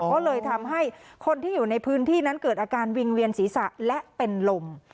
ก็เลยทำให้คนที่อยู่ในพื้นที่นั้นเกิดอาการวิงเวียนศีรษะและเป็นลม